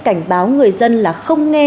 cảnh báo người dân là không nghe